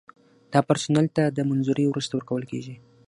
دا پرسونل ته د منظورۍ وروسته ورکول کیږي.